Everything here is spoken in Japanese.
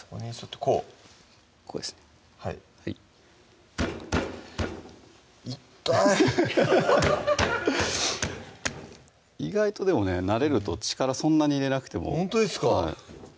こうですねはい痛い意外とでもね慣れると力そんなに入れなくてもほんとですか？